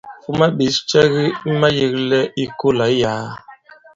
Fuma ɓěs cɛ ki mayēglɛ i kolà i yàa.